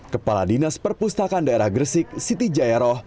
kepala dinas perpustakaan daerah gresik siti jayaroh